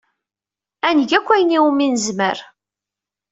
Ad neg akk ayen umi nezmer.